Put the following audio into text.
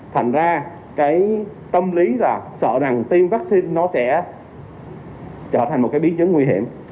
thành ra cái tâm lý là sợ rằng tiêm vaccine nó sẽ trở thành một cái biến chứng nguy hiểm